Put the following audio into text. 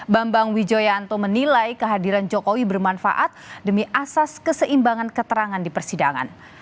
bambang wijoyanto menilai kehadiran jokowi bermanfaat demi asas keseimbangan keterangan di persidangan